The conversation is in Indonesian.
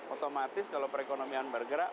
otomatis kalau perekonomian bergerak